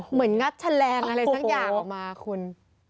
งัดแฉลงอะไรสักอย่างออกมาคุณ